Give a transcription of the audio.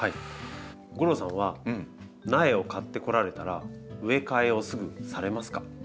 吾郎さんは苗を買ってこられたら植え替えをすぐされますか？